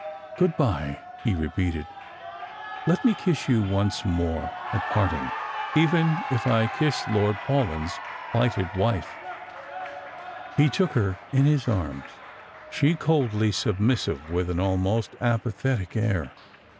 " Good bye," he repeated; "let me kiss you once more at parting, even if I kiss Lord Paulyn's plighted wife." He took her in his arms, she coldly submissive, with an almost apathetic air.